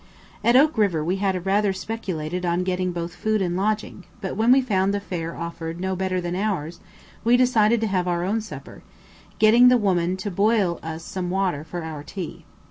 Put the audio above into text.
At Oak River we had rather speculated on getting both food and lodging; but when we found the fare offered no better than ours, we decided to have our own supper, getting the woman to boil us some water for our tea.